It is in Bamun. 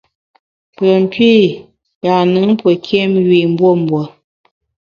Pùen pî, yâ-nùn pue nkiém yu i mbuembue.